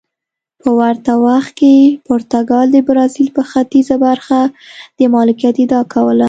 په ورته وخت کې پرتګال د برازیل پر ختیځه برخه د مالکیت ادعا کوله.